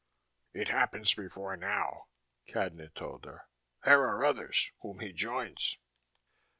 "It happens before now," Cadnan told her. "There are others, whom he joins."